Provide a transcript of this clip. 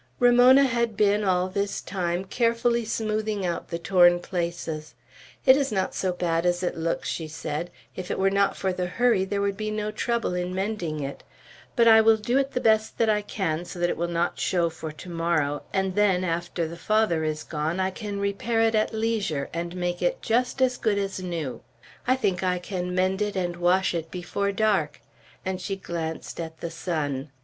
Ramona had been all this time carefully smoothing out the torn places, "It is not so bad as it looks," she said; "if it were not for the hurry, there would be no trouble in mending it. But I will do it the best I can, so that it will not show, for to morrow, and then, after the Father is gone, I can repair it at leisure, and make it just as good as new. I think I can mend it and wash it before dark," and she glanced at the sun.